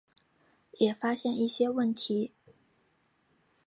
也发现一些问题